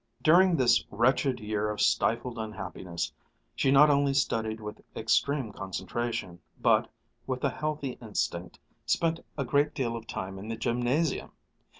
During this wretched year of stifled unhappiness, she not only studied with extreme concentration, but, with a healthy instinct, spent a great deal of time in the gymnasium.